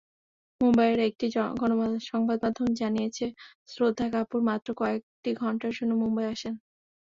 মুম্বাইয়ের একটি সংবাদমাধ্যম জানিয়েছে, শ্রদ্ধা কাপুর মাত্র কয়েকটি ঘণ্টার জন্য মুম্বাই আসেন।